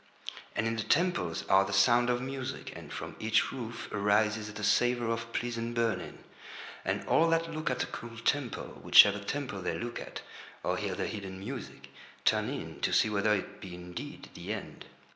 And in the temples are the sounds of music, and from each roof arises the savour of pleasant burning; and all that look at a cool temple, whichever temple they look at, or hear the hidden music, turn in to see whether it be indeed the End.